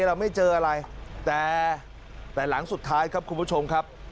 เราไม่เจออะไรแต่แต่หลังสุดท้ายครับคุณผู้ชมครับ